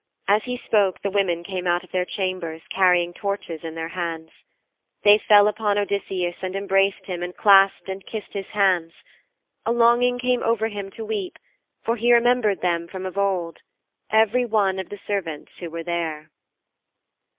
As he spoke the women came out of their chambers, carrying torches in their hands. They fell upon Odysseus and embraced him and clasped and kissed his hands. A longing came over him to weep, for he remembered them from of old every one of the servants who were there.